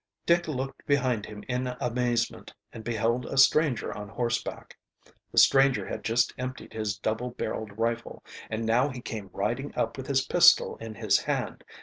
Dick looked behind him in amazement and beheld a stranger on horseback. The stranger had just emptied his double barreled rifle, and now he came riding up with his pistol in his hand.